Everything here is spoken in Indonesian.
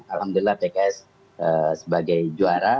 alhamdulillah tks sebagai juara